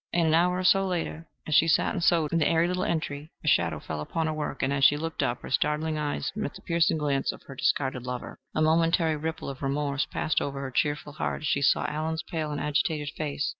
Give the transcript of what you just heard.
An hour or so later, as she sat and sewed in the airy little entry, a shadow fell upon her work, and as she looked up her startled eyes met the piercing glance of her discarded lover. A momentary ripple of remorse passed over her cheerful heart as she saw Allen's pale and agitated face.